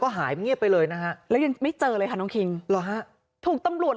หายเงียบไปเลยนะฮะแล้วยังไม่เจอเลยค่ะน้องคิงเหรอฮะถูกตำรวจ